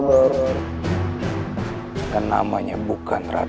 setelah tubuh copot